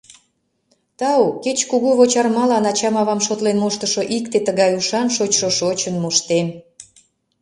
Тау, кеч Кугу Вочармалан ачам-авам шотлен моштышо икте тыгай ушан шочшо шочын моштен!